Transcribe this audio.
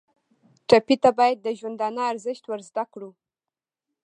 ټپي ته باید د ژوندانه ارزښت ور زده کړو.